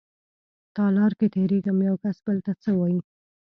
تالار کې تېرېږم يوکس بل ته څه وايي.